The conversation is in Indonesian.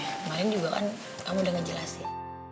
kemarin juga kan kamu udah ngejelasin